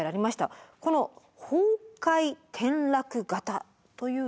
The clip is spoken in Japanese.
この崩壊転落型というのは？